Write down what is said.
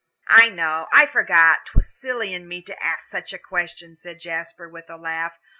"I know I forgot 'twas silly in me to ask such a question," said Jasper, with a laugh.